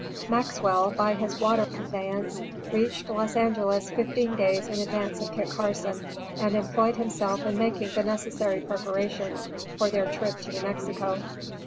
Maxwell, by his water conveyance, reached Los Angelos fifteen days in advance of Kit Carson, and employed himself in making the necessary preparations for their trip to New Mexico.